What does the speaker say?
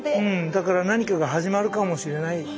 だから何かが始まるかもしれない。